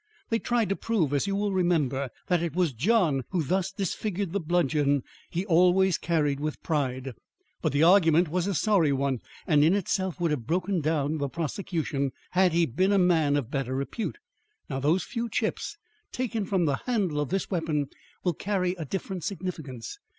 "They tried to prove, as you will remember, that it was John who thus disfigured the bludgeon he always carried with pride. But the argument was a sorry one and in itself would have broken down the prosecution had he been a man of better repute. Now, those few chips taken from the handle of this weapon will carry a different significance.